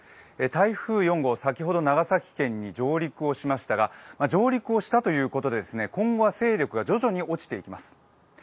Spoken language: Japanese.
台風４号、先ほど長崎県に上陸をしましたが上陸をしたということで、今後は勢力が徐々に落ちていきます。